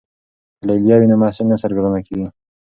که لیلیه وي نو محصل نه سرګردانه کیږي.